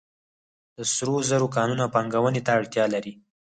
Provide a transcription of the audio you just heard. د سرو زرو کانونه پانګونې ته اړتیا لري